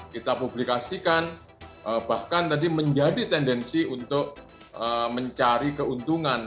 kita publikasikan bahkan tadi menjadi tendensi untuk mencari keuntungan